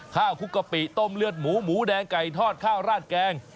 คุกกะปิต้มเลือดหมูหมูแดงไก่ทอดข้าวราดแกง